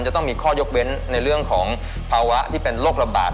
จะต้องมีข้อยกเว้นในเรื่องของภาวะที่เป็นโรคระบาด